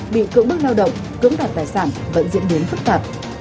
bị cưỡng bức lao động cưỡng đoạt tài sản vẫn diễn biến phức tạp